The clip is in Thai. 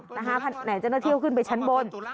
เจ้าหน้าที่เข้าขึ้นไปชั้นบน